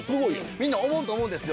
みんな思うと思うんですよ。